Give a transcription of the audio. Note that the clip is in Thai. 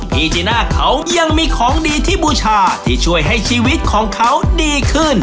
จีน่าเขายังมีของดีที่บูชาที่ช่วยให้ชีวิตของเขาดีขึ้น